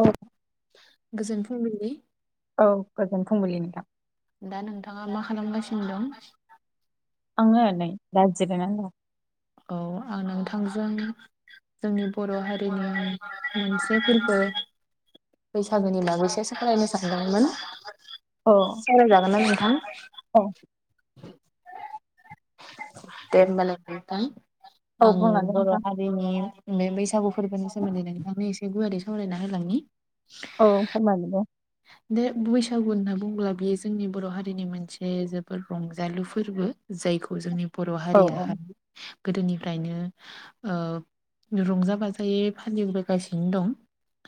औ। गोजोन फुंबिलि। औ गोजोन फुंबिलि नोंथां। दा नोंथाङा मा खालामगासिनो दं? आंङो नै दा जिरायनानै दं। औ आं नोंथांजों जोंनि बर' हारिनि मोनसे फोरबो बैसागोनि मागैसो फरायनो सानदोंमोन। औ सावराय जागोन ना नोंथा? औ दे होमबालाय नोंथां औ आं बुंलांदो बर' नोंथां हारिनि बे बैसागु फोरबोनि सोमोनदै नोंथांनो एसे गुवारै सावरायना होलाांनि। औ फोरमायदो दे। दे बैसागु होनना बुंङोब्ला बेयो जोंनि बर' हारिनि मोनसे जोबोर रंजालु फोरबो। जायखौ जोंनि बर' औ हारियाहाय गोदोनिफ्रायनो ओ‌ रंजा बाजायै फालिबोगासिनो दं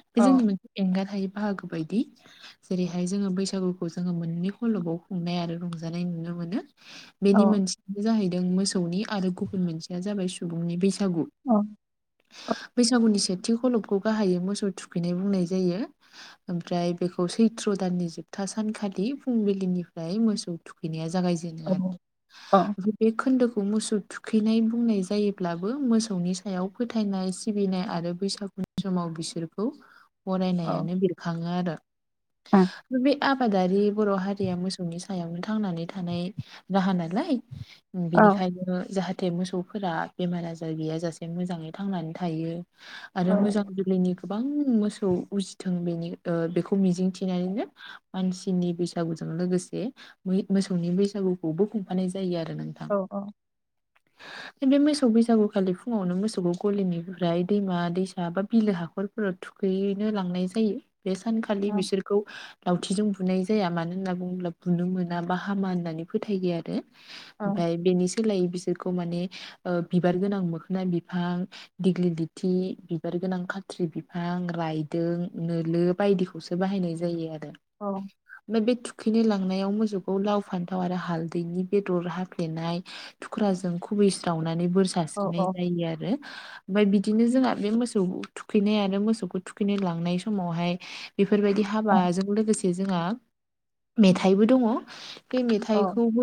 । बे जोंनि औ मोनसे एंगार हायो बाहागो बायदि । जेरैहाय जोङो बैसागुखौ जोङो मोननै खलबाव खुंनाय आरो रंजानाय नुनो मोनो । औ बेनि मोनसेयानो जाहैदों मोसौनि आरो गुबुन मोनसेया जाबाय सुबुंनि बैसाग बैसागु औ बैसागुनि सेथि खलबखौ गाहायै मोसौ थुखैनाय बुंनाय जायो। ओमफ्राय बेखौ सैथ्र' दाननि जोबथा सानखालि फुंबिलिनिफ्राय मोसौ थुखैनाया जा जागायजेनो आरो औ बे खोन्दोखौ -खौ मोसौ थुखैनाय बुंनाय जायोब्लाबो मोसौनि सायाव फोथायनाय सिबिनाय आरो बैसागु उन समाव बिसोरखौ औ बरायनायानो बेरखाङो आरो औ बे आबादारि बर' हारिया मोसौनि सायावनो थांनानै थानाय राहा नालाय औ बिनिखायनो जाहाथे मोसौफोरा बेमार-आजार गैयाजासे मोजाङै थांनानै थायो औ आरो मोजां जोलैनि गोबां मोसौ उजिथों बेनि बेखौ मिजिंथिनानैनो मानसिनि बैसागुजों लोगोसे मोसौनि बैसागुखौ बो खुंफानाय जायो आरो। नोंथां औ औ। [inaudible] बे मोसौ बैसागुखालि फुङावनो मोसौखौ गलिनिफ्राय दैमा-दैसा बा बिलो हाखरफोराव थुख थुखैैनो लांनाय जायो बे सानखालि बिसोरखौ लावथिजों बुनाय जाया मानो होनना बुङोब्ला बुनो मोना बा हामा होननानै फोथायो आरो। ओमफाय बेनि हो सोलाय बिसोरखौ माने ओ बिबार गोनां मोखोना बिफां दिग्लि लिथि बिबार गोनां खाथ्रि बिफां रायदों नोलो बायदिखौसो बाहायनाय जायो आरो। औ। बे थुखैनो लांनायाव मोसौखौ लाव फान्थाव आरो हालदैनि बेदर हाफ्लेनाय थुख्रा जों खुबैस्रावनानै बोर औ सारस्रिनाय औ जायो आरो ओमफाय बिदिनो जोंहा बे मोसौ थुखैनाय आरो मोसौखौ थुखैनो लांनाय समावहाय बेफोरबायदि नोंथां हाबाजों लोगोसे जोंहा मेथाइबो दङ बे औ मेथाइखौबो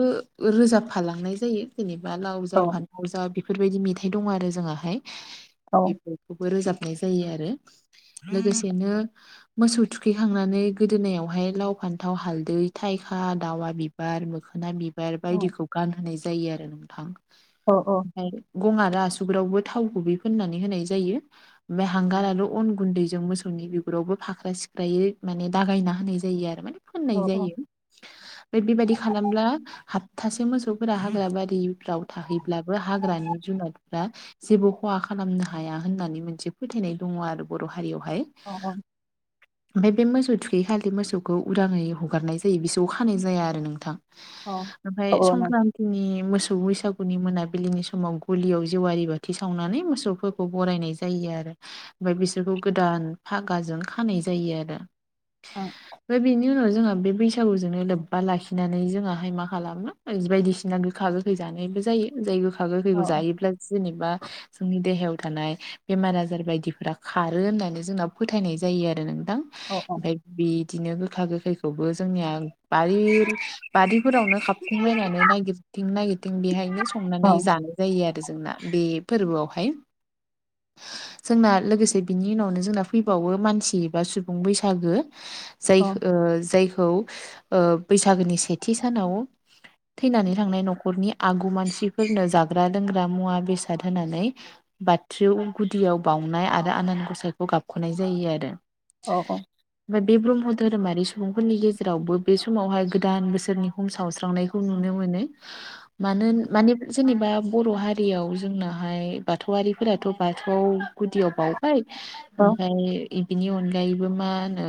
रोजाबफालांनाय जायो जेनेबा लाव जा औ फानलाव जा बेफोरबायदि मेथाइ दं आरो जोंआहाय औ बेफोरखौबो रोजाब जायो आरो लोगोसेनो मोसौ थुखैखांनानै गोदोनायावहाय लाव, फान्थाव, हाल, दै थायखा, दाउवा बिबार, मोखोना औ बिबार बार बायदिखौ गानहोनाय जायो आरो नोंथां अ अ ओमफ्राय गं आरो आसुगुरावबो थाव गुबै फोननानै होनाय जायो ओमफाय हांगार आरो अन गुन्दैजों मोसौ नि बिगुरावबो फाख्रा सिख्रायै माने दागायना होनाय जायो आरो माने फोननाय जायो फाय बेबायादि खालामब्ला हा थासे मोसौफोरा हाग्रा बारिफ्राव थाहैब्लाबो हाग्रानि जुनादफ्रा जेबो खहा खालामनो हाया होननानै मोनसे फोथायनाय दङ आरो बर' हारियावहाय ओमफाय बे मोसौ थुखै खालि मोसौखौ उदाङै हगारनाय जायो बिसोरखौ खानाय जाया आरो नोंथां। ओमफाय संक्रान्तिनि मोसौ मोसौ बैसागुनि मोनाबिलिनि समाव गलियाव जेवारि बाथि सावनानै मोसौफोरखौ बरायनाय जायो आरो ओमफाय बिसोरखौ गोदान फागाजों खानाय जायो आरो फ्राय बि बिनि उनाव जोंहा बे बैसागुजोंनो लोब्बा लाखिनानै जोंआहाय मा खालामो बायदिसिना गोखा गोखै जा जानायबो जायो जाय गोखा गोखैखौ जायोब्ला जेनेबा जोंनि देहायाव थानाय बेमार आजार बायदिफोरा खारो होननानै जोंना फोथायनाय जायो आरो नोंथां दां ओमफाय बिदिनो गोखा गोखैखौबो जोंनिया बारि बारिफोरावनो खाबथिंबायनानै नागिरथिं नागिरथिं बेहायनो संनानै जानाय जायो आरो जोंना बे फोरबोआवहाय जोंना लोगोसे बिनि उनावनो जोंना फैबावो मानसि बा सुबुं बैसागो जाय ओ जाय ओ बैसागोनि सेथि सानाव थैनानै थांनाय न'खरनि आगु मानसिफोरनो जाग्रा लोंग्रा मुवा बेसाद होनानै बाथ्रिउन गुदियाव बाउनाय आरो आनान गसाइखौ गाबख'नाय जायो आरो बे ब्रह्म धोरोमारि सुबुं फोरनि गेजेरावबो बे समावहाय गोदान बोसोरनि हुम साव सावनायखौ नुनो मोनो मानो माने जेबा बर' हारियाव जोंनाहाय बाथौआरिफोराथ' बाथौ गुदियाव बावबाय ओमफ्राय बिनि अनगायैबो मा होनो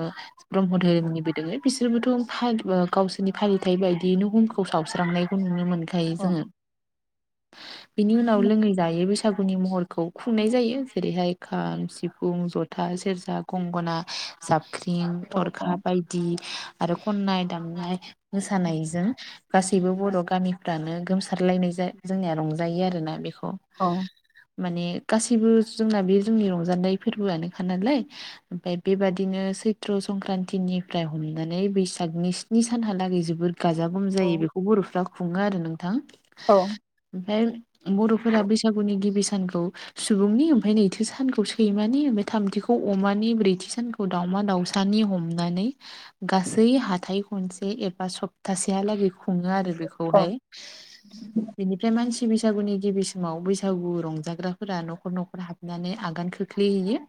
ब्रह्म धोरोमनिबो दङ बिसोरबोथ' फालिबा गावसोरनि फालिथाय बायदियैनो नबुंखौ सावस्रांनायखौ नुनो मोनो। खायो जोङो बिनि उनाव लोङै जायो बै सागुनि महरखौ खुंनाय जायो जेरैहाय खाम, सिफुं ज था, सेरजा आरो खननाय दामनाय मोसानायजों गासैबो बर' गामि फ्राआनो गोमसारलायनाय जा जोंनिया रंजायो आरोना बेखौ माने गासैबो जोंना बे जोंनि रंजानाय फोरबोआनो नालाय ओमफाय बेबादिनो सैत्र संक्रान्तिनिफ्राय हमनानै बैसागनि नि सानहालागै जोबोद गाजा गोम जायो बेखौ बर'फ्रा खुङो आरो नोंथां औ ओमफाय बर'फोरा बैसागुनि गिबि सानखौ सुबुंनि आमफाय नैथि सानखौ सैमानि थामथिखौ अमानि ब्रैथि सानखौ दावमा दाउसानि हमनानै गासै हाथाय खसे एबा सप्तासेहालागै खुङो आरो बेखौहाय बिनिफ्राय मानसि बि बैसागुनि गिबि समाव बैसागु रंजाग्राफोरा न'खर न'खर हाबनानै आगान खोख्लैहैयो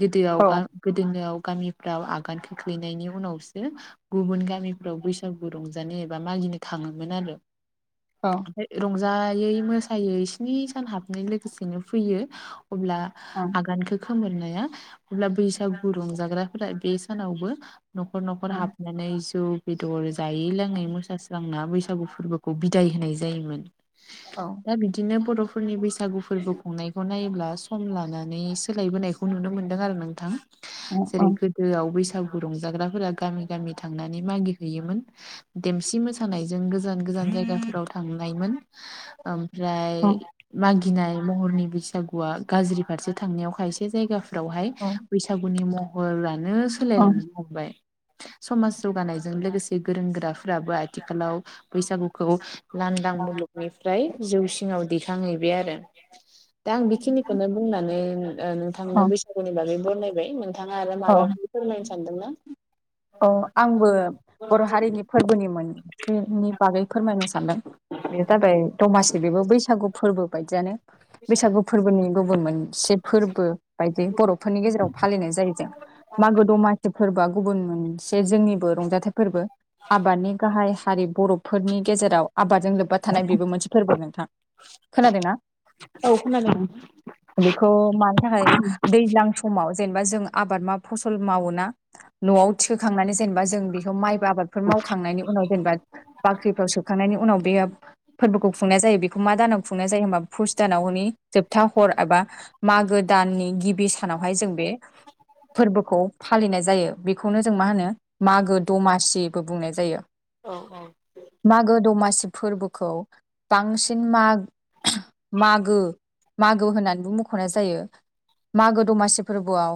गिदोयाव गोदोनायाव गामिफ्राव आगान खोख्लैनायनि उनावसो गुबुन गामिफ्राव बैसागु रंजानाय एबा मा गिनो थांङोम आरो औ आमफ्राय रंजा जायै मोसायै स्नि सान हाबनाय लोगोसेनो फैयो। अब्ला औ आगानखौ खोमोरनाया अब्ला बैसागु रंजाग्राफोरा बे सानावबो न'खर न'खर हाबनानै जौ बेदर जायै लोङै मोसास्रांना बैसागु फोरबोखौ बिदाय होनाय जायोमोन। औ दा बिदिनो बर'फोरनि बैसागु फोरबो खुंनायखौ नायोब्ला सम लानानै सोलायबोनायखौ नुनो मोनदों आरो नोंथां औ औ जेरै गोदोआव बैस सागु रंजाग्राफोरा गामि गामि थांनानै मागि हैैयोमोन देमसि मोसानायजों गोजान गोजान गोजान जायगाफोराव थांनायमोन। ओमफ्राय औ मागिनाय महरनि बैसागुआ गाज्रि फारसे थांनायाव खायसे जायगाफ्रावहाय औ बैसागुनि महरानो औ सोलायलांनो हमबाय। समाज जौगानायजों लोगोसे गोरों गोराफोराबो आथिखालाव बैसागुखौ लांदां मुलुगनिफ्राय जौ सिङाव दैखांहैबाय आरो। दा आं बेखिनिखौनो बुंनानै औ नोंथांनो बैसागुनि बागै बरनायबाय नों थाङा आरो औ माबाखौ फोरलायनो सानदों ना? औ आंबो बर' हारिनि फोरबोनि मोनसेनि बागै फोरमायनो सान सानदों बे जाबाय दमासि बेबो बैसागु फोरबो बायदियनो बैसागु फोरबोनि गुबुन मोनसे फोरबो बायदि बर'फोरनि गेजेराव फालिनाय जायो जों मागो दमासि फोरबोआ गुबुन मोनसे जोंनिबो रंजाथाइ फोरबो आबादनि गाहाय हारि बर'फोरनि गेजेराव आबादजों लोब्बा थानाय बेबो मोनसे फोरबो नोंथां खोनादों ना? औ खोनादों नोंथां। बेखौ मानि थाखायनो दैज्लां समाव जेनेबा जों आबाद फसल मावोना न'आव थिखोखांनानै जेनेबा जों बेखौ माइबो आबादफोर मावखांनायनि उनाव जेनेबा बाख्रिफ्राव सोखांनायनि उनाव बेयो फोरबोखौ खुंनाय जायो बेखौ मा दानाव खुंनाय जायो होनबा पुस दानावनि जोबथा हर एबा मागो दाननि गिबि सानावहाय जों बे फोरबोखौ फालिनाय जायो बेखौनो जों मा होनो मागो दमासिबो बुंनाय जायो। औ मागो दमासि फोरबोखौ बांसिन मा मागो मागो होननानैबो मख'नाय जायो। मागो दमासि फोरबोआव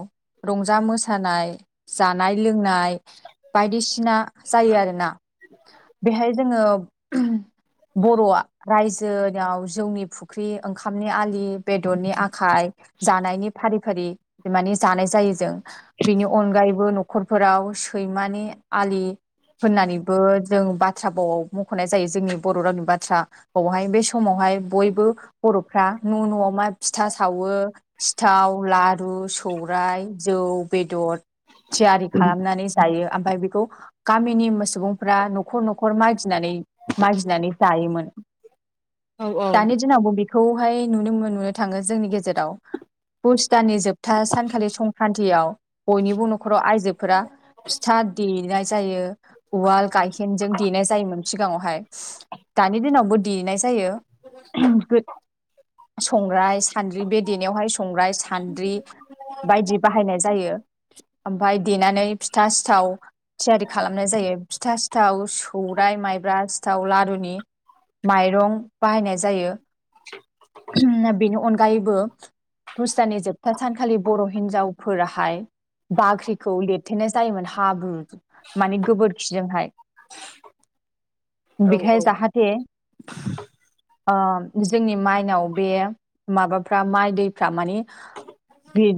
रंजा मोसानाय जानाय लोंनाय बायदिसिना जायो आरोना। बेहाय जोङो बर'आ रायजो जो नियाव जौनि फुख्रि ओंखामनि आलि बेदरनि आखाय जानायनि फारि फारि माने जानाय जायो जों बिनि अनगायैबो न'खरफोराव सैमानि आलि होननानैबो जों बाथ्राखौ मख'नाय जायो जोंनि बर' रावनि बाथ्रा फावावहाय बे समावहाय बयबो बर'फ्रा न' न'आव मा फिथा सावो सिथाव लारु सौ राय जौ बेदर थियारि खालामनानै जायो ओमफ्राय बेखौ गामिनि मोस सुबुंफ्रा न'खर न'खर मागिनानै मागिनानै जायोमोन। औ औ दानि दिनावबो बेखौ खौहाय नुनो नुनो थाङो जोंनि गेजेराव पुस दनि जोबथा सानखालि संक्रान्तियाव बयनिबो न'खराव आइजोफोरा फिथा देनाय जायो उवाल गायहेनजों देनाय जायोमोन सिगाङावहाय दानि दिनावबो देनाय जायो। [unintelligible] संग्राय सान्द्रि बे देनायावहाय संग्राय सान्द्रि बिदि बाहायनाय जायो ओमफाय देनानै फिथा सिथाव थियारि खालामनाय जायो फिथा सिथाव सौराइ माइब्रा सिथाव लारुनि माइरं बाहायनाय जायो। बेनि अनगायैबो हुस्तानि जोबथा सान खालि बर' हिन्जावफोराहाय बाख्रिखौ लिरथेनाय जायोमोन हाब्रु माने गोबोरखिजोंहाय [inaudible] बेखाय औ जाहाथे ओ जोंनि माइनाव बे माबाफ्रा माइ दैफ्रा मानि बे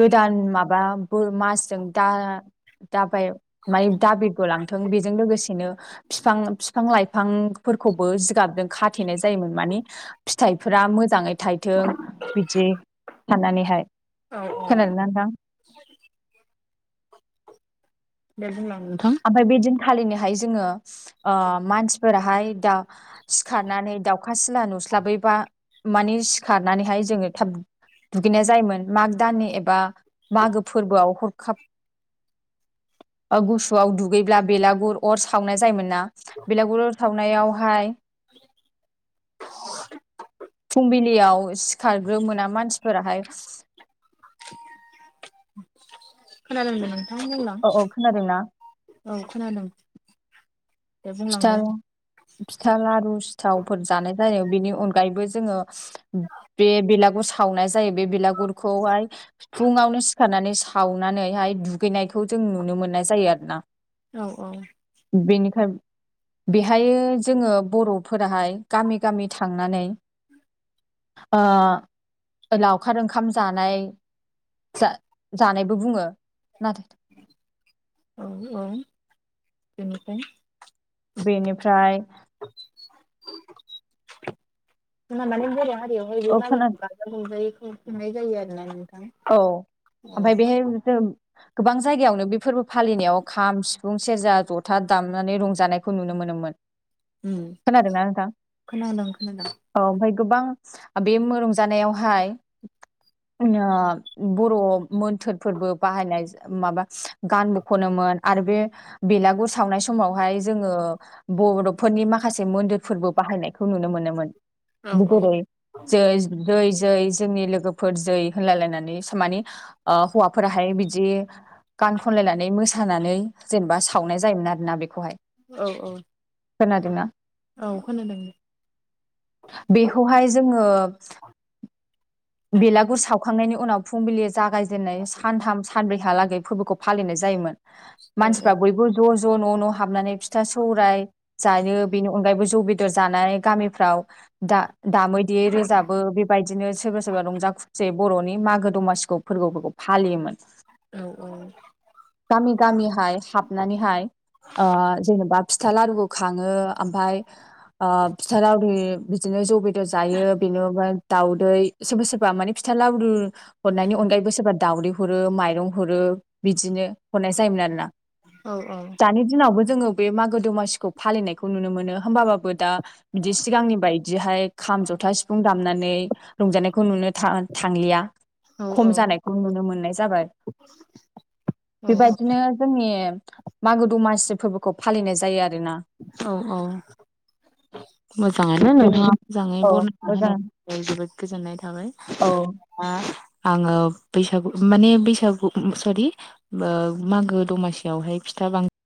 गोदान माबा बो मासजों दा दाबाय माय दाबिगलांथों बेजों लोगोसेनो फिफां फिफां लाइफांफोरखौबो जिगाबदों खाथे थेनाय जायोमोन माने फिथाइफोरा मोजाङै थायथों बिदि साननानैहाय। औ औ खोनादोंना नोंथां। दे होनला नोंथां फालिनोहाय जोङो ओ मानसिफोराहाय दा सिखारनानै दाउखा सिला नु नुस्लाबैबा माने सिखारनानैहाय जोङो थाब दुगैनाय जायोमोन माग दाननि एबा मागो फोरबोआव हरखाब [inaudible] गुसुआव दुगैब्ला बेलागुर अर सावनाय जायोमोन ना बेलागुर अर सावनायावहाय [inaudible] फुंबिलियाव सिखारग्रोमोना मानसिफोराहाय खोनादों ना? औ औ खोनादों ना? औ खोनादों दे बुंलांदो फिथा फिथा लारु सिथावफोर जानाय जायो बेनि अनगायैबो बे बेलागुर सावनाय जायो बे बेलागुरखौहाय फुंआवनो सिखारनानै दुगैनायखौ जों नुनो मोननाय जायो आरोना। औ औ। बेनिखाय बेहायो जोङो बर'फोराहाय गामि गामि थांनानै ओ लावखार ओंखाम जानाय जा जानायबो बुंङो नाथाय औ औ। बेनिफाय बेनिफ्राय [unintelligible] माने बर' ओ खोना हारियावहाय औ औ ओमफाय बेहाय जों गोबां जायगायावनो बेफोरबो फालिनायाव खाम जथा सिफुं दामनानै रंजानायखौ नुनो मोनोमोन। [inaudible] खोनादोना नोंथां खोनादों खोनादों औ ओमफ्राय गोबां बर' मोन्थोरफोरबो बाहायनाय माबा गानबो खनोमोन बेलागुर सावनाय समावहाय जोङो बर'नि माखासे मोन्थायफोरबो बाहायनायखौ नुनो मोनोमोन मोनोमोन औ औ जेरै जै जै जोंनि लोगोफोर जै बेसामानि माने हौवाफोराहाय बिदि गान खनलायनानै मोसानानै सावनाय जायोमोन आरोना बेखौहाय औ औ खोनादोंना? औ खोनादोंं। बेखौहाय जोङो बेलागुर सावखांनायनि उनाव, फुंबिलि जागायजेननाय सानथाम सानब्रैहालागै फोरबोखौ फालिनाय जायोमोन। औ औ मानसिफ्रा बयबो ज' ज' न' न' हाबनानै फिथा सौराय जायो। बेनि अनगायैबो जौ, बेदर जानानै गामिफ्राव दा- दामै- देयै रोजाबो बेबायदिनो सोरबा- सोर सोरबा रंजा खुसेै बर'नि मागो दमासिखौ फोरबोफोरखौ फालियोमोन। औ औ गामि -गामिहाय हाबनानैहाय ओ जेनेबा फिथा, लारुखौ खाङो ओमफ्राय फिथा [unintelligible] बिदिनो जौ बेदर जायो बेनो दाउदै सोरबा -सोरबा मानि फिथा लावदु हरनायनि अनगायैबो सोरबा दावदै हरो माइरं हरो बिदिनो हरनाय जायोमोन आरोना औ दानि दिनावबो जोङो बे मागो दमासिखौ फालिनायखौ नुनो मोनो। होमबाबाबो दा बिदि सिगांनि बायदिहाय खाम, जथा, सिफुं दामनानै रंजानायखौ नुनो थ'- थांलिया खम जानायखौ नुनो मोननाय जाबाय । औ बेबायदिनो जोंनि मागो दमासि फोरबोखौ फालिनाय जायो आरोना । औ औ । मोजाङानो, जों नोंथाङा मोजाङै औ बरनायना मोजां होनायनि थाखाय जोबोद गोजोन [unintelligible] थाबाय औ । आङो बैसागु माने बैसागु सरि ओ मागो दमासियावहाय फिथा बांसिन